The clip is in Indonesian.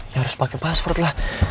ya harus pakai password lah